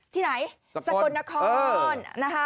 ้ที่ไหนสกนคล